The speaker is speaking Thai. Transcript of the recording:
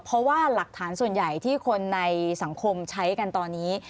เพราะว่าหลักฐานส่วนใหญ่ที่คนในสังคมใช้กันตอนนี้